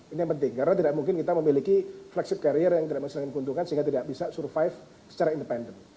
ini yang penting karena tidak mungkin kita memiliki flagship carrier yang tidak menghasilkan keuntungan sehingga tidak bisa survive secara independen